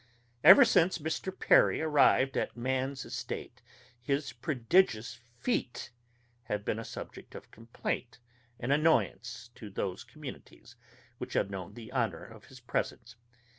Ever since Mr. Perry arrived at man's estate his prodigious feet have been a subject of complaint and annoyance to those communities which have known the honor of his presence.